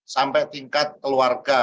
sampai tingkat keluarga